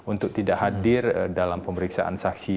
untuk tidak hadir dalam pemeriksaan saksi